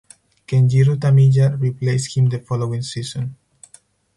Kenjiro Tamiya replaced him the following season.